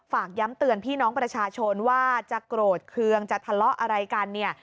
ฝากย้ำเตือนพี่น้องประชาชนว่าจะโกรธเคืองจะทะเลาะอะไรกันเนี่ย